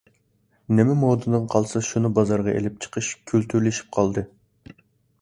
نېمە مودىدىن قالسا شۇنى بازارغا ئېلىپ چىقىش كۈلتۈرلىشىپ قالدى.